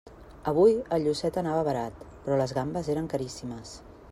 Avui el llucet anava barat, però les gambes eren caríssimes.